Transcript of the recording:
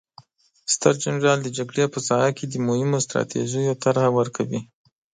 ستر جنرال د جګړې په ساحه کې د مهمو ستراتیژیو طرحه ورکوي.